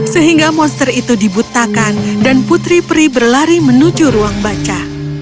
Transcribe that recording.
sehingga monster itu dibutakan dan putri pri berlari menuju ruang baca